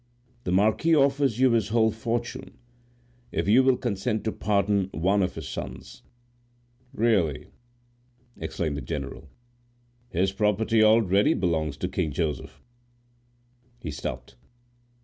"The marquis offers you his whole fortune, if you will consent to pardon one of his sons." "Really!" exclaimed the general. "His property belongs already to King Joseph." He stopped.